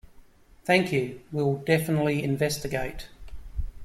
Thank you. Will definitely investigate.